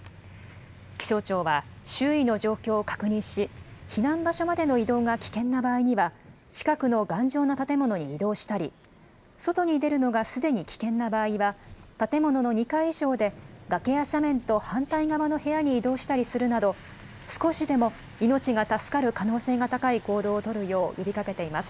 気象庁は、周囲の状況を確認し、避難場所までの移動が危険な場合には、近くの頑丈な建物に移動したり、外に出るのがすでに危険な場合は、建物の２階以上で崖や斜面と反対側の部屋に移動したりするなど、少しでも命が助かる可能性が高い行動を取るよう呼びかけています。